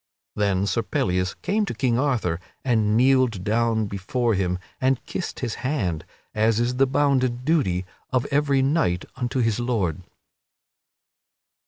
Then Sir Pellias came to King Arthur and kneeled down before him and kissed his hand, as is the bounden duty of every knight unto his lord.